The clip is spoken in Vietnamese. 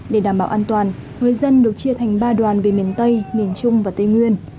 để đảm bảo an toàn người dân được chia thành ba đoàn về miền tây miền trung và tây nguyên